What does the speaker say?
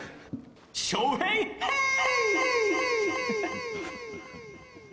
ショウヘイヘイ！